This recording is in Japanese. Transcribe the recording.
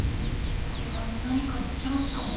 これは何かのチャンスかも。